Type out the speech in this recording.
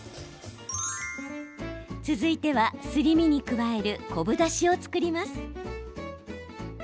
続いては、すり身に加える昆布だしを作ります。